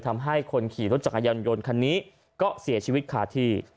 ทำให้คนขี่รถจักรยานยนต์คันนี้ก็เสียชีวิตคาที่